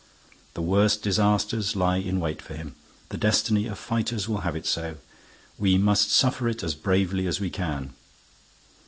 The worst disasters lie in wait for him. The destiny of fighters will have it so. We must suffer it as bravely as we can."